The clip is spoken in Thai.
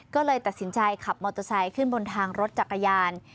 ก็เลยตัดสินใจขับมอเตอร์ไซค์ขึ้นบนทางรถจักรยาน